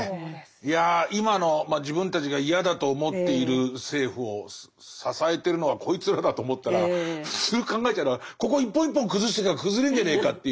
いや今の自分たちが嫌だと思っている政府を支えてるのはこいつらだと思ったら普通に考えたらここ一本一本崩していきゃ崩れんじゃねえかっていう。